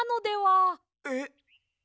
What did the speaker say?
えっ。